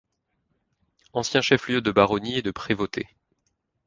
Ancien chef-lieu de baronnie et de prévôté.